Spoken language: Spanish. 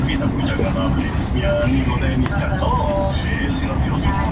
Los más grandes son los de los reyes.